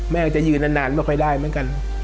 แม่ก็จะยืนนานไม่ค่อยได้เหมือนกัน